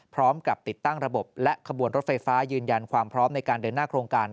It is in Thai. พร้อมกับติดตั้งระบบและขบวนรถไฟฟ้ายืนยันความพร้อมในการเดินหน้าโครงการ